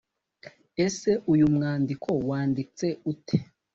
Ese uyu mwandiko wanditse ute